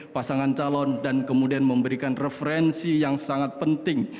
pasangan calon dan kemudian memberikan referensi yang sangat penting